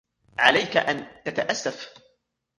عليك أن تتأسف.